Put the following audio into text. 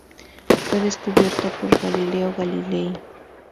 Fue descubierto por Galileo Galilei.